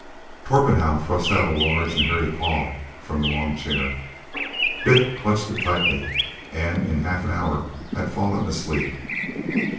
Torpenhow thrust out a large and hairy paw from the long chair. Dick clutched it tightly, and in half an hour had fallen asleep.